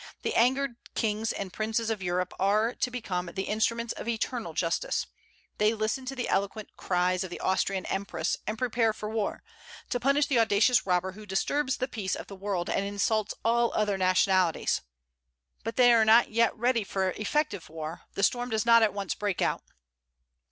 The angered kings and princes of Europe are to become the instruments of eternal justice. They listen to the eloquent cries of the Austrian Empress, and prepare for war, to punish the audacious robber who disturbs the peace of the world and insults all other nationalities. But they are not yet ready for effective war; the storm does not at once break out.